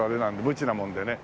無知なもんでね。